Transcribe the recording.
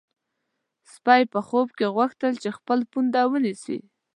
سپی په خوب کې غوښتل چې خپل پونده ونیسي.